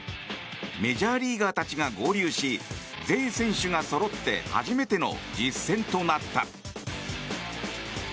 メジャーリーガーたちが合流し全選手がそろって初めての実戦となった。